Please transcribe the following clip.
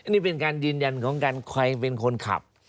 นี่เป็นการยืนยันของการใครเป็นคนขับ